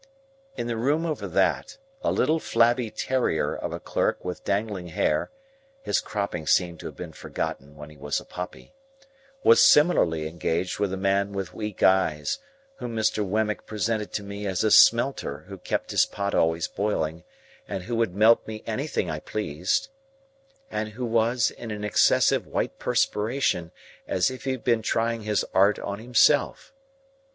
In the room over that, a little flabby terrier of a clerk with dangling hair (his cropping seemed to have been forgotten when he was a puppy) was similarly engaged with a man with weak eyes, whom Mr. Wemmick presented to me as a smelter who kept his pot always boiling, and who would melt me anything I pleased,—and who was in an excessive white perspiration, as if he had been trying his art on himself.